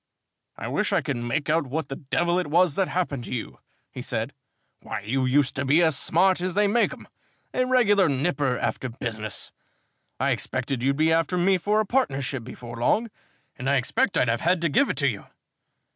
"I wish I could make out what the devil it was that happened to you," he said. "Why, you used to be as smart as they make 'em, a regular nipper after business. I expected you'd be after me for a partnership before long, and I expect I'd have had to give it you.